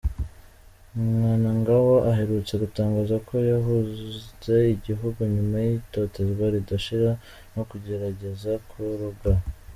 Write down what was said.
Mnangagwa aherutse gutangaza ko yahunze igihugu nyuma y’ itotezwa ridashira no kugerageza kurogwa.